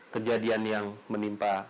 kejadian yang menimpa